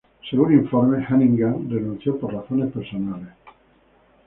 Según informes, Hannigan renunció por razones personales.